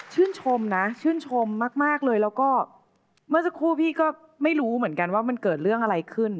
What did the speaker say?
ชมนะชื่นชมมากเลยแล้วก็เมื่อสักครู่พี่ก็ไม่รู้เหมือนกันว่ามันเกิดเรื่องอะไรขึ้น